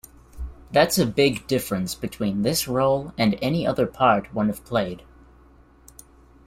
That's a big difference between this role and any other part one've played.